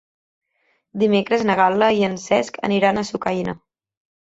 Dimecres na Gal·la i en Cesc aniran a Sucaina.